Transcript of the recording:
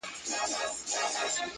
غسل ورکول کېده